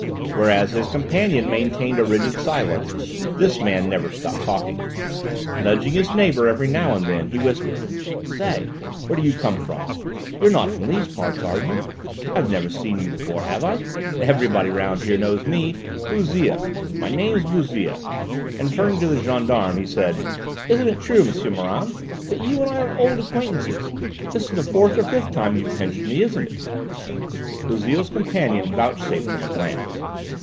Whereas his companion maintained a rigid silence, this man never stopped talking. Nudging his neighbour every now and then he whispered: "Say, where do you come from? You're not from these parts, are you? I've never seen you before have I? Everybody round here knows me: Bouzille my name's Bouzille," and turning to the gendarme he said: "Isn't it true, M'sieu Morand, that you and I are old acquaintances? This is the fourth or fifth time you've pinched me, isn't it?" Bouzille's companion vouchsafed him a glance.